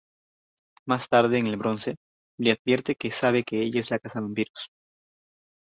Más tarde, en el Bronze, le advierte que sabe que ella es la Cazavampiros.